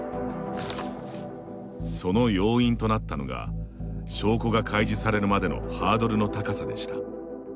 その要因となったのが証拠が開示されるまでのハードルの高さでした。